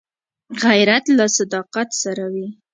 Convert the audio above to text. غیرت له صداقت سره وي